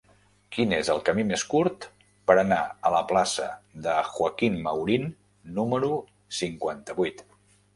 Quin és el camí més curt per anar a la plaça de Joaquín Maurín número cinquanta-vuit?